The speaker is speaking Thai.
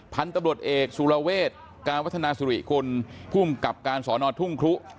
พันธุ์ตบริวจเอกสุลเวชการวัฒนาสุริคุณผู้กลับการสอนอดทุ่งครุ